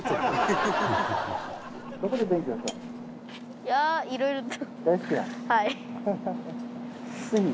いやあいろいろと。